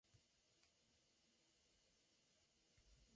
De su iglesia románica solo quedan ruinas.